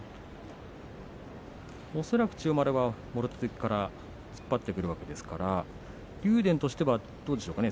恐らく千代丸は立ち合い突っ張ってくるわけですから竜電としてはどうでしょうか。